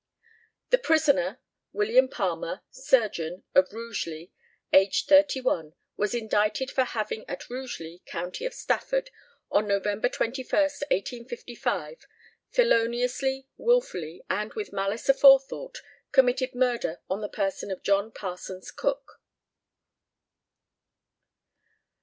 The prisoner, WILLIAM PALMER, Surgeon, of Rugeley, aged 31, was indicted for having at Rugeley, county of Stafford, on November 21st, 1855, feloniously, wilfully, and with malice aforethought, committed murder on the person of JOHN PARSONS COOK.